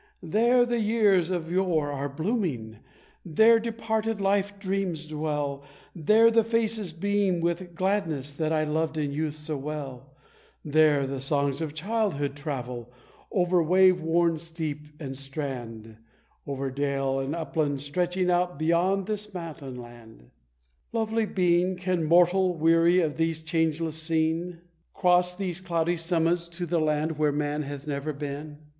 There the years of yore are blooming there departed life dreams dwell, There the faces beam with gladness that I loved in youth so well; There the songs of childhood travel, over wave worn steep and strand Over dale and upland stretching out behind this mountain land. "Lovely Being, can a mortal, weary of this changeless scene, Cross these cloudy summits to the land where man hath never been?